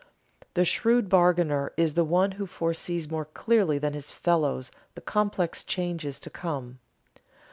The shrewd bargainer is the one who foresees more clearly than his fellows the complex changes to come.